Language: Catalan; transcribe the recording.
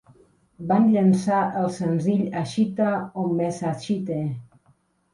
Van llançar el senzill Ashita o Mezashite!